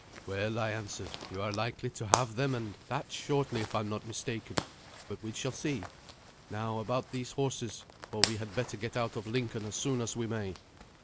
"Well," I answered, "you are likely to have them, and that shortly, if I am not mistaken; but we shall see. Now about these horses, for we had better get out of Lincoln as soon as we may."